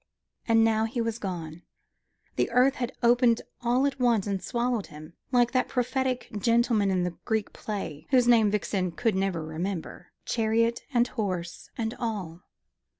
And now he was gone. The earth had opened all at once and swallowed him, like that prophetic gentleman in the Greek play, whose name Vixen could never remember chariot and horses and all.